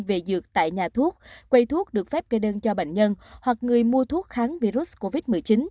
về dược tại nhà thuốc quầy thuốc được phép gây đơn cho bệnh nhân hoặc người mua thuốc kháng virus covid một mươi chín